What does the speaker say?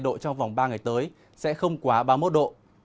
độ trong vòng ba ngày tới sẽ không quá ba mươi một độ